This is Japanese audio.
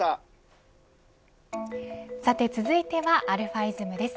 さて続いては、αｉｓｍです。